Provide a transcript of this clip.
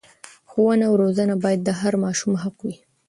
ښوونه او روزنه باید د هر ماشوم حق وي.